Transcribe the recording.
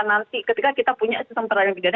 nanti ketika kita punya sistem peradilan pidana